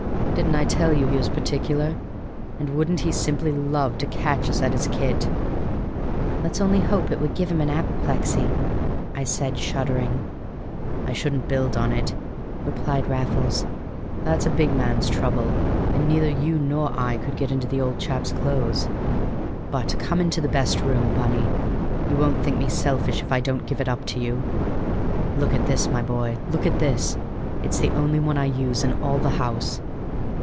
Didn't I tell you he was particular? And wouldn't he simply love to catch us at his kit?" "Let's only hope it would give him an apoplexy," said I shuddering. "I shouldn't build on it," replied Raffles. "That's a big man's trouble, and neither you nor I could get into the old chap's clothes. But come into the best bedroom, Bunny. You won't think me selfish if I don't give it up to you? Look at this, my boy, look at this! It's the only one I use in all the house."